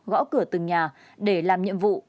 gõ cửa từng nhà để làm nhiệm vụ